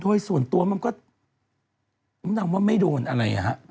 โดยส่วนตัวมันก็นั่งว่าไม่โดนอะไรอะ